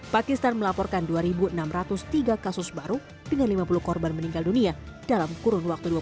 pakistan melaporkan dua enam ratus tiga kasus baru dengan lima puluh korban meninggal dunia dalam kurun waktu dua puluh